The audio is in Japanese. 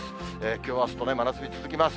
きょうあすと真夏日、続きます。